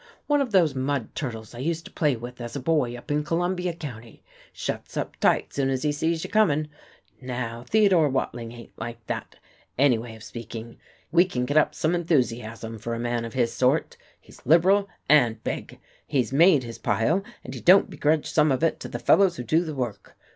One of those mud turtles I used to play with as a boy up in Columbia County, shuts up tight soon as he sees you coming. Now Theodore Watling ain't like that, any way of speaking. We can get up some enthusiasm for a man of his sort. He's liberal and big. He's made his pile, and he don't begrudge some of it to the fellows who do the work.